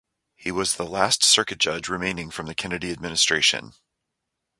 He was the last circuit judge remaining from the Kennedy Administration.